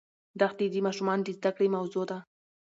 دښتې د ماشومانو د زده کړې موضوع ده.